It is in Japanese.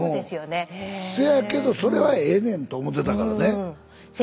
せやけどそれはええねんと思ってたからね。